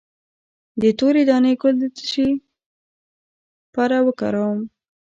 د تورې دانې ګل د څه لپاره وکاروم؟